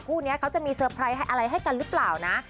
คู่นี้เขาจะมีเซอร์ไพรส์อะไรให้กันหรือเปล่านะ